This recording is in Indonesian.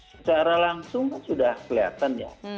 secara langsung kan sudah kelihatan ya